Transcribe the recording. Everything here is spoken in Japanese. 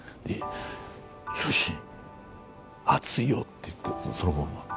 ひろし、熱いよって言って、そのまま。